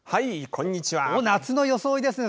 夏の装いですね。